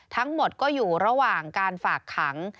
ทั้งหมดก็อยู่ระหว่างการฝากขัง